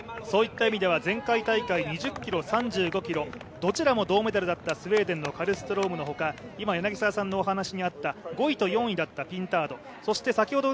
そういった意味では前回大会では２０ｋｍ、３５ｋｍどちらも銅メダルだったスウェーデンのカルストロームの他５位と４位だったピンタード。